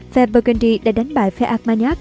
phe burgundy đã đánh bại phe armaniac